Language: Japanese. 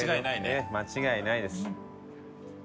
ええ間違いないです。